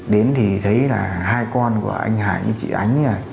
đến thì thấy là hai con của anh hải với chị ánh